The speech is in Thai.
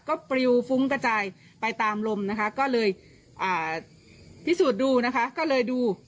ก็ปริ้วฟุ้งกระจายไปตามลมก็เลยพิสูจน์ดู